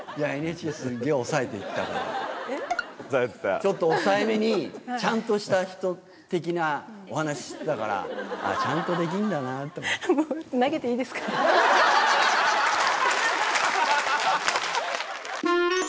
ちょっと抑えめに、ちゃんとした人的なお話ししてたから、ちゃんとできんだなと思って。